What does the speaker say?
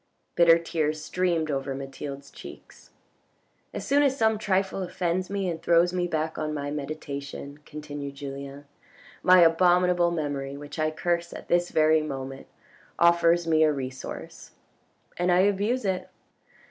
Bitter tears streamed over Mathilde's cheeks. 440 THE RED AND THE BLACK " As soon as some trifle offends me and throws me back on my meditation," continued Julien, " my abominable memory, which I curse at this very minute, offers me a resource, and I abuse it."